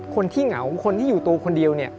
คนที่เหงาคนที่อยู่ตัวคนเดียว